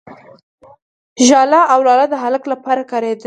، ژاله او لاله د هلک لپاره کارېدلي دي.